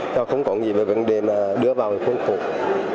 nó không có gì với vấn đề đưa vào khuôn khủng